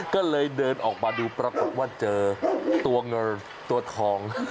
ก็เลยเดินออกมาดูปรากฏว่าเจอตัวเงินตัวทอง